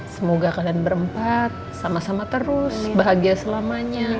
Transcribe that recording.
semoga kalian berempat sama sama terus bahagia selamanya